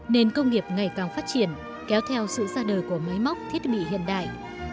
nên công nghiệp ngày càng phát triển kéo theo sự ra đời của máy móc thiết bị hiện đại